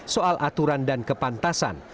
soal aturan dan kepantasan